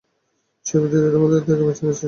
সেই ভিত্তিতেই তোমাদের থেকে বেছে নিচ্ছি।